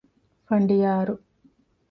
ފަނޑިޔާރު